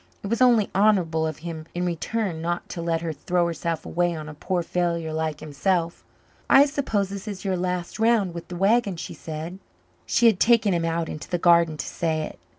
It was only honourable of him in return not to let her throw herself away on a poor failure like himself. "I suppose this is your last round with the wagon," she said. She had taken him out into the garden to say it.